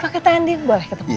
apa kata andin boleh ketemu